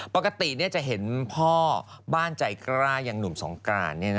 ปกติจะเห็นพ่อบ้านใจกล้าอย่างหนุ่มสงกราน